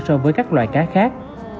so với các loài cá khác